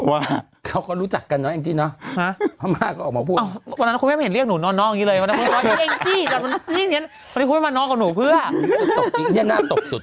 ว่าเขาก็รู้จักกันเนาะแองจี้เนาะ